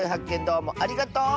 どうもありがとう！